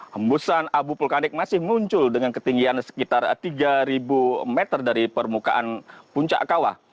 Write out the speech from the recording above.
hembusan abu vulkanik masih muncul dengan ketinggian sekitar tiga meter dari permukaan puncak kawah